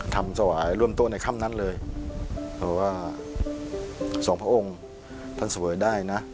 ทำสวายร่วมต้นในคำนั้นเลยเพราะว่าส่องพระองค์ท่านสวยได้นะ